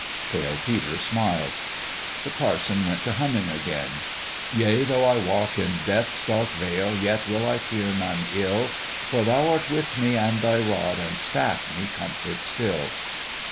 Pale Peter smiled. The parson went to humming again : Yea, though I walk in Death's dark vale, Yet will I fear none ill : For Thou art with me ; and Thy rod And staff me comfort still."